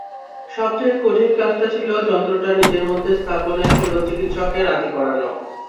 সবচেয়ে কঠিন কাজটা ছিল যন্ত্রটা নিজের মধ্যে স্থাপনে শল্যচিকিৎসককে রাজি করানো।